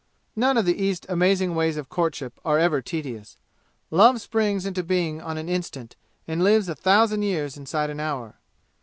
None of the East's amazing ways of courtship are ever tedious. Love springs into being on an instant and lives a thousand years inside an hour.